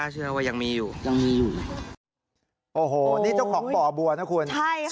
เจอรอยเท้าใหม่